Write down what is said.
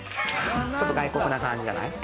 ちょっと外国な感じじゃない。